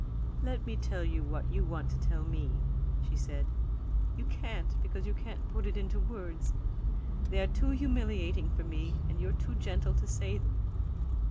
"Let me tell you what you want to tell me," she said. "You can't, because you can't put it into words they are too humiliating for me and you're too gentle to say them.